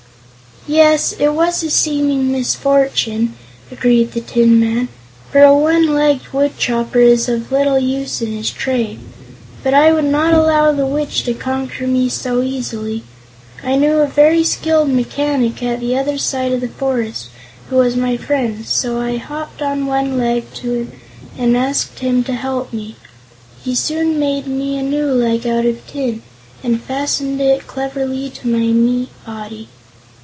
"Yes, it was a seeming misfortune," agreed the Tin Man, "for a one legged woodchopper is of little use in his trade. But I would not allow the Witch to conquer me so easily. I knew a very skillful mechanic at the other side of the forest, who was my friend, so I hopped on one leg to him and asked him to help me. He soon made me a new leg out of tin and fastened it cleverly to my meat body.